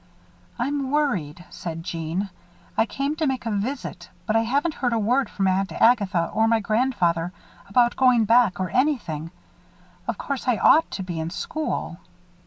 "I'm worried," said Jeanne. "I came to make a visit, but I haven't heard a word from Aunt Agatha or my grandfather about going back, or anything. Of course, I ought to be in school."